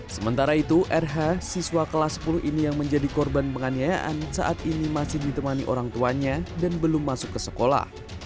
sementara itu rh siswa kelas sepuluh ini yang menjadi korban penganiayaan saat ini masih ditemani orang tuanya dan belum masuk ke sekolah